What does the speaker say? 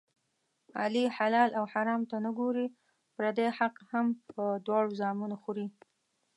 علي حلال او حرام ته نه ګوري، پردی حق هم په دواړو زامو خوري.